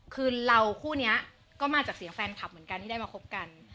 คือเราคู่นี้ก็มาจากเสียงแฟนคลับเหมือนกันที่ได้มาคบกัน